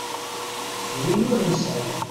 Win ur nesɛi.